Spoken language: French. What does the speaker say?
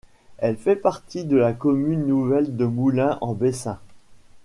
Elle fait partie de la commune nouvelle de Moulins en Bessin.